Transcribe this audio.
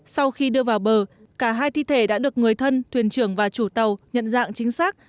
sau khi đưa vào bờ cả hai thi thể đã được người thân thuyền trưởng và chủ tàu nhận dạng chính xác